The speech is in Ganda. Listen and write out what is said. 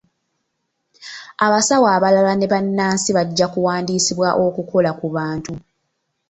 Abasawo abalala ne bannaasi bajja kuwandisibwa okukola ku bantu.